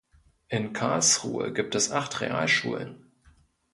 In Karlsruhe gibt es acht Realschulen.